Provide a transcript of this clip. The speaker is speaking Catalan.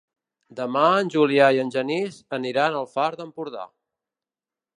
Demà en Julià i en Genís aniran al Far d'Empordà.